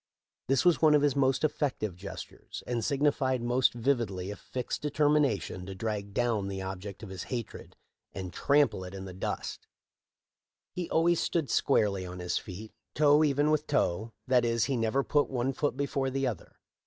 This was one of his most effective gestures, and signified most vividly a fixed determination to drag down the object of his hatred and trample it 408 THE LIFE OF LINCOLN. in the dust. He always stood squarely on his feet, toe even with toe ; that is, he never put one foot before the other.